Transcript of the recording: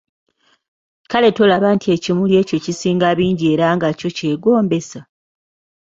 Kale tolaba nti ekimuli ekyo kisinga bingi era nga kyo kyegombesa?